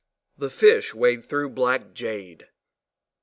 THE FISH wade through black jade.